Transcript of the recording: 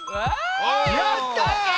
やった！